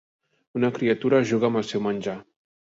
Una criatura juga amb el seu menjar.